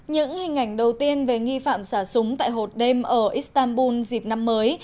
những hình ảnh đầu tiên về nghi phạm xả súng tại hộp đêm ở istanbul dịp năm mới